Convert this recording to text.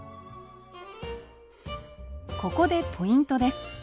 ここでポイントです。